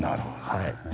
はい。